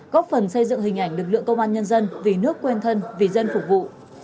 góp phần xây dựng hình ảnh lực lượng công an nhân dân vì nước quên thân vì dân phục vụ